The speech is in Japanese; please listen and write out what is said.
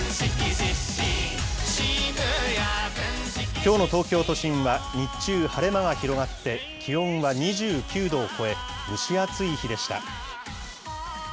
きょうの東京都心は日中、晴れ間が広がって、気温は２９度を超え、蒸し暑い日でした。